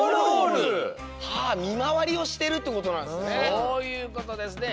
そういうことですね！